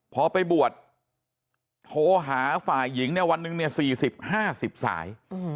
พอไปบวชโทรหาฝ่ายหญิงเนี่ยวันหนึ่งเนี่ย๔๐๕๐สาย